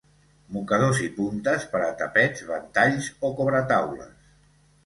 Mocadors i puntes per a tapets, ventalls o cobretaules.